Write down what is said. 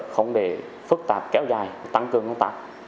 không để phức tạp kéo dài tăng cường công tác